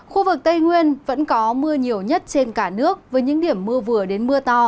khu vực tây nguyên vẫn có mưa nhiều nhất trên cả nước với những điểm mưa vừa đến mưa to